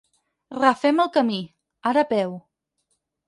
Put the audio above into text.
Refem el camí, ara a peu.